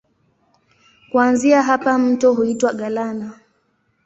Kuanzia hapa mto huitwa Galana.